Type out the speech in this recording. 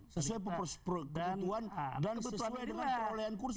sesuai kebutuhan dan sesuai dengan perolehan kursi